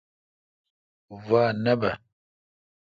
وا نہ بہ۔